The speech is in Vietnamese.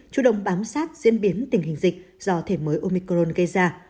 chủ động bám sát diễn biến tình hình dịch do thể mới omicron gây ra